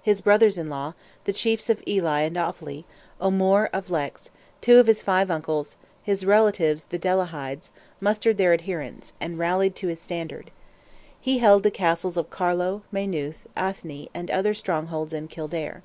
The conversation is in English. His brothers in law, the chiefs of Ely and Offally, O'Moore of Leix, two of his five uncles, his relatives, the Delahides, mustered their adherents, and rallied to his standard. He held the castles of Carlow, Maynooth, Athy, and other strongholds in Kildare.